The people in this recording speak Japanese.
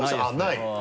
ない？